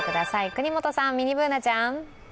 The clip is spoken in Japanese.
國本さん、ミニＢｏｏｎａちゃん。